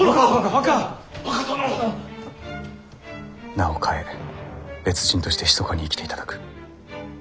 名を変え別人としてひそかに生きていただく。